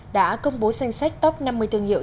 đã công bố danh sách top năm mươi thương hiệu